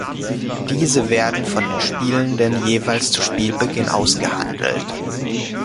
Diese werden von den Spielenden jeweils zu Spielbeginn ausgehandelt.